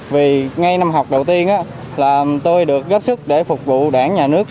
vì ngay năm học đầu tiên tôi được gấp sức để phục vụ đảng nhà nước